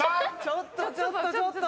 ・ちょっとちょっとちょっと。